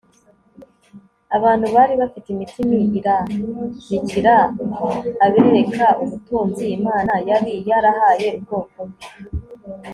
abantu bari bafite imitima irarikira abereka ubutunzi imana yari yarahaye ubwoko bwe